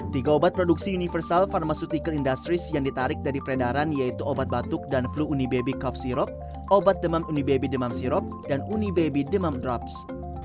tiga obat produksi universal pharmaceutical industries yang ditarik dari peredaran yaitu obat batuk dan flu unibaby coff sirop obat demam unibaby demam sirop dan unibaby demam drops